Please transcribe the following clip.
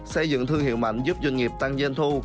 xây dựng thương hiệu mạnh giúp doanh nghiệp tăng doanh thu